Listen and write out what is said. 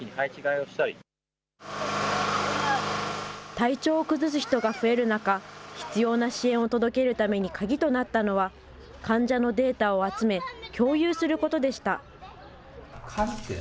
体調を崩す人が増える中、必要な支援を届けるために鍵となったのは、患者のデータを集め、共有することでした。